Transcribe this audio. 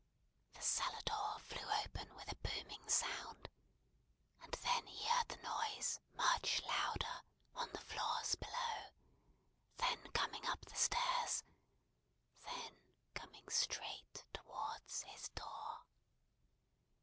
The cellar door flew open with a booming sound, and then he heard the noise much louder, on the floors below; then coming up the stairs; then coming straight towards his door.